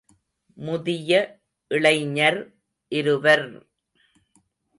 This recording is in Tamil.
முதிய இளைஞர் இருவர் ….